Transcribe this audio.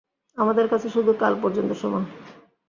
আমাদের কাছে শুধু কাল পর্যন্ত সময়।